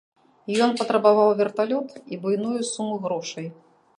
Ён патрабаваў верталёт і буйную суму грошай.